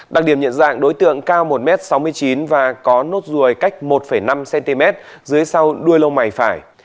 đặc điểm nhận dạng đối tượng cao một m sáu mươi chín và có nốt ruồi cách một năm cm dưới sau đuôi lông mày phải